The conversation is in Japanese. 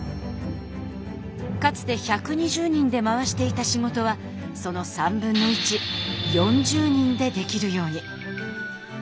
かつて１２０人で回していた仕事はその３分の１４０人でできるように。